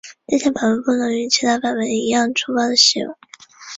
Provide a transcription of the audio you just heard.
这些版本不能与其他版本一样粗暴使用。